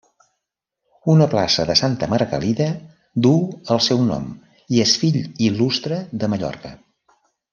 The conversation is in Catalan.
Una plaça de Santa Margalida du el seu nom i és fill il·lustre de Mallorca.